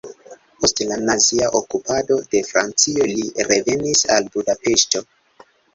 Post la nazia okupado de Francio li revenis al Budapeŝto.